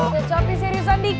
kau kecapi seriusan dikit